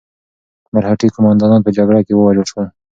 مرهټي قوماندانان په جګړه کې ووژل شول.